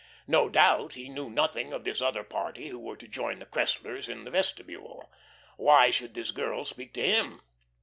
No doubt he knew nothing of this other party who were to join the Cresslers in the vestibule. Why should this girl speak to him?